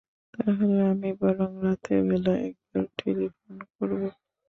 তাহলে আমি বরং রাতের বেলা একবার টেলিফোন করব।